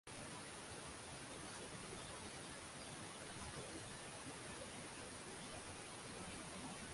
ya wanahabari alisema Wanamichezo wamlilia Ruge hajaliliwa na wanasia na wasanii